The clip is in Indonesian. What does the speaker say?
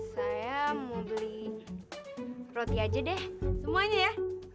saya mau beli roti aja deh semuanya ya